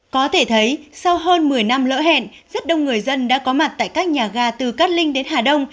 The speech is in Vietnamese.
có thể thấy sau hơn một mươi năm lỡ hẹn rất đông người dân đã có mặt tại các nhà ga từ cát linh đến hà đông